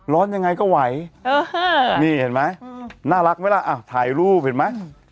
ยังไงก็ไหวนี่เห็นไหมน่ารักไหมล่ะถ่ายรูปเห็นไหม